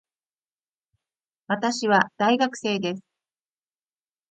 私は大学生です